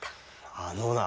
あのな。